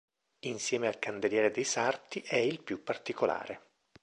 Insieme al candeliere dei Sarti è il più particolare.